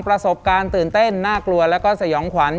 ประสบการณ์ตื่นเต้นน่ากลัวแล้วก็สยองขวัญ